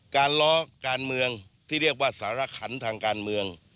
ล้อการเมืองที่เรียกว่าสารขันทางการเมือง